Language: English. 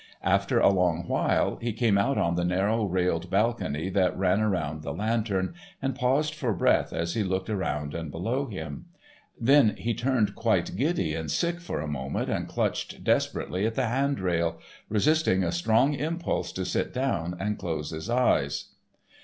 After a long while he came out on the narrow railed balcony that ran around the lantern, and paused for breath as he looked around and below him. Then he turned quite giddy and sick for a moment and clutched desperately at the hand rail, resisting a strong impulse to sit down and close his eyes.